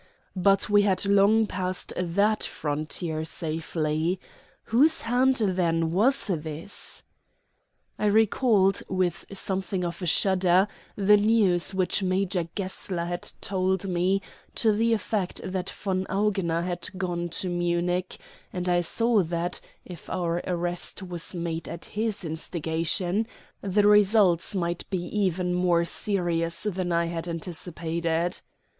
But we had long passed that frontier safely. Whose hand, then, was this? I recalled, with something of a shudder, the news which Major Gessler had told me, to the effect that von Augener had gone to Munich, and I saw that, if our arrest was made at his instigation, the results might be even more serious than I had anticipated.